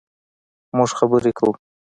مونږ خبرې کوو